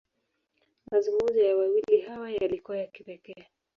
Mazungumzo ya wawili hawa, yalikuwa ya kipekee.